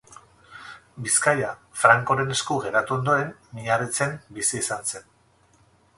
Bizkaia Francoren esku geratu ondoren Miarritzen bizi izan zen.